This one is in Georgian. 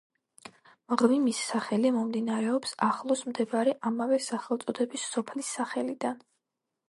მღვიმის სახელი მომდინარეობს ახლოს მდებარე ამავე სახელწოდების სოფლის სახელიდან.